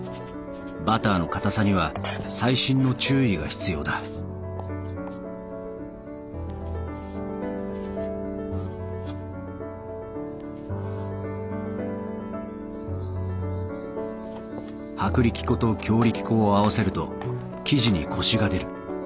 バターのかたさには細心の注意が必要だ薄力粉と強力粉を合わせると生地にコシが出る。